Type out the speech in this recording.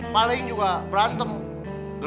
pokoknya neng doain buat semuanya